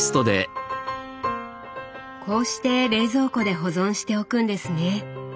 こうして冷蔵庫で保存しておくんですね。